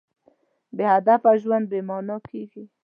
بېهدفه ژوند بېمانا کېږي.